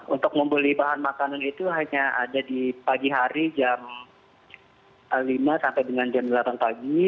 untuk membeli bahan makanan itu hanya ada di pagi hari jam lima sampai dengan jam delapan pagi